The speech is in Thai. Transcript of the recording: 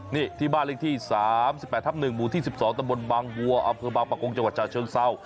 นี่ที่บ้านลิงค์ที่๓๘ทับ๑หมู่ที่๑๒ตำบลบางบังบังประกงจังหวัดชาวเชิงเซา